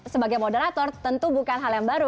sebagai moderator tentu bukan hal yang baru